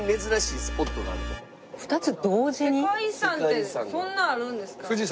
世界遺産ってそんなあるんですか？